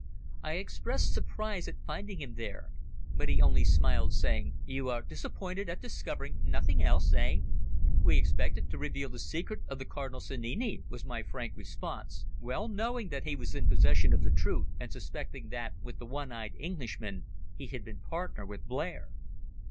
I expressed surprise at finding him there, but he only smiled, saying "You are disappointed at discovering nothing else eh?" "We expected to reveal the secret of the Cardinal Sannini," was my frank response, well knowing that he was in possession of the truth, and suspecting that, with the one eyed Englishman, he had been partner with Blair.